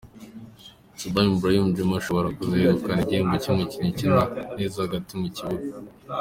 Sadam Ibrahim Djuma ashobora kuzegukana igihembo cy'umukinnyi ukina neza hagati mu kibuga.